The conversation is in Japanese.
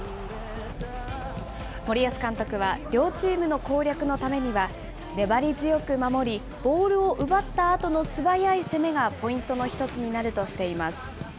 森保監督は両チームの攻略のためには、粘り強く守り、ボールを奪ったあとの素早い攻めがポイントの一つになるとしています。